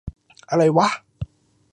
อะไรวะ !